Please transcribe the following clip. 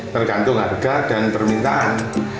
tergantung harga dan permintaan